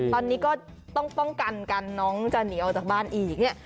ตอนนี้ก็ต้องกันน้องจะหนีออกจากบ้านอีก